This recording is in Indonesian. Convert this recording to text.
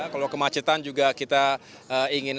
kalau kemacetan juga kita ingin